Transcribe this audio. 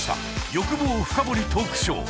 欲望深掘りトークショー。